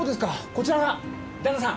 こちらが旦那さん？